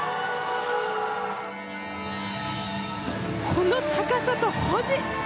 この高さと保持。